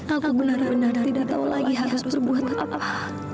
aku benar benar tidak tahu lagi harus berbuat apa